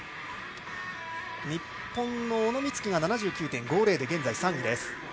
日本の小野光希が７９．５０で現在３位。